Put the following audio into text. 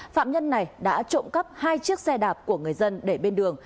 phạm nhân này đã trộm cắp hai chiếc xe đạp của người dân để bên đường